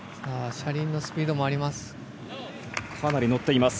車輪のスピードもあります。